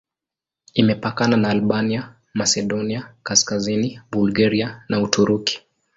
Imepakana na Albania, Masedonia Kaskazini, Bulgaria na Uturuki.